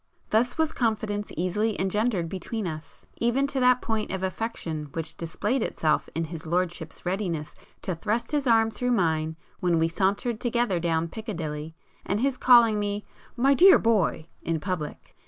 Thus was confidence easily engendered between us, even to that point of affection which displayed itself in his lordship's readiness to thrust his arm through mine when we sauntered together down Piccadilly, and his calling me 'my dear boy' in public.